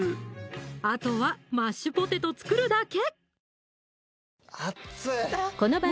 あとはマッシュポテト作るだけ！